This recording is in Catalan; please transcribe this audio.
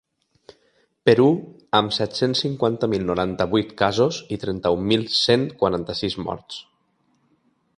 Perú, amb set-cents cinquanta mil noranta-vuit casos i trenta-un mil cent quaranta-sis morts.